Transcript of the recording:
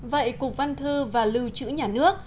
vậy cục văn thư và lưu trữ nhà nước